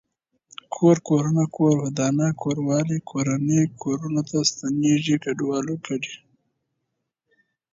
کور کورونه کور ودانه کوروالی کورنۍ کورنو ته ستنيږي کډوالو کډي